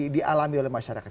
dialami oleh masyarakat